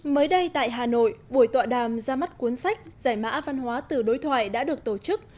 mới đây tại hà nội buổi tọa đàm ra mắt cuốn sách giải mã văn hóa từ đối thoại đã được tổ chức